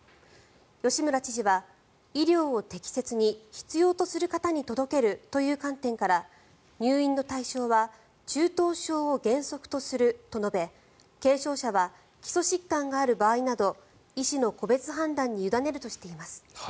吉村知事は医療を適切に必要とする方に届けるという観点から入院の対象は中等症を原則とすると述べ軽症者は基礎疾患がある場合など医師の個別判断に委ねるとしています。